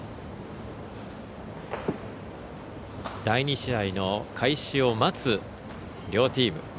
第２試合の開始を待つ両チーム。